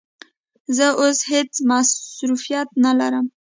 زه اوس هیڅ مصروفیت نه لرم.